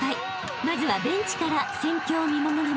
［まずはベンチから戦況を見守ります］